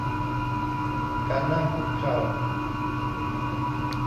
การนั่งคุกเข่า